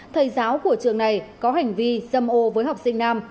thầy giáo của trường này có hành vi dâm ô với học sinh nam